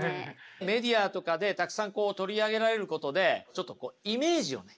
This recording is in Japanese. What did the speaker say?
メディアとかでたくさんこう取り上げられることでちょっとイメージをね